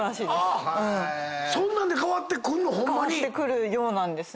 そんなんで変わってくんの⁉変わってくるようなんですね。